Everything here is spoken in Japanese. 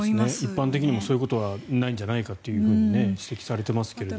一般的にもそういうことはないんじゃないかと指摘されていますけれども。